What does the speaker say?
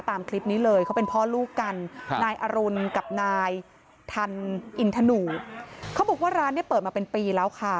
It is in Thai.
ตามคลิปนี้เลยเขาเป็นพ่อลูกกันนายอรุณกับนายทันอินทนูเขาบอกว่าร้านเนี่ยเปิดมาเป็นปีแล้วค่ะ